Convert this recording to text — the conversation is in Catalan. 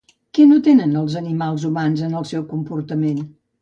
Què no tenen els animals humans en el seu comportament?